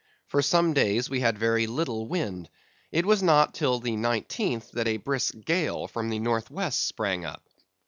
For some days we had very little wind; it was not till the nineteenth that a brisk gale from the northwest sprang up.